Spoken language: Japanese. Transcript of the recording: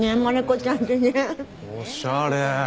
おしゃれ。